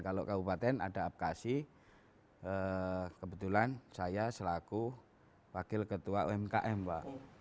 kalau kabupaten ada apkasi kebetulan saya selaku wakil ketua umkm pak